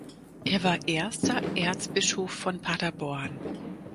Er war erster Erzbischof von Paderborn.